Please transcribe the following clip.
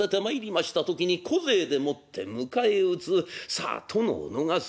さあ殿を逃す。